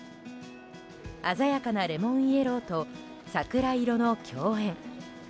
鮮やかなレモンイエローと桜色の共演。